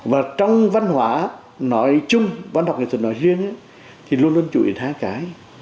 và trong văn hóa nói chung văn học nghệ thuật nói riêng thì luôn luôn chú ý hai cái